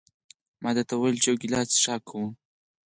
ما ده ته وویل: یو ګیلاس څښاک کوو؟